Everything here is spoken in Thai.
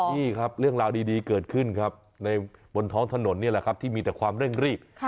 นี่ครับเรื่องราวดีเกิดขึ้นครับในบนท้องถนนนี่แหละครับที่มีแต่ความเร่งรีบ